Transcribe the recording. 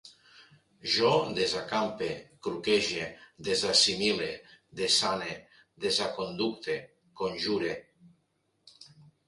Jo desacampe, cuclege, desassimile, desane, desaconducte, conjure